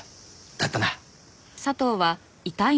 だったな？